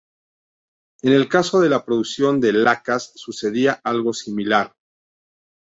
En el caso de la producción de lacas, sucedía algo similar.